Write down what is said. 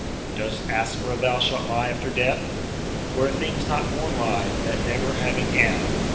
["Dost ask where thou shalt lie after death? Where things not born lie, that never being had."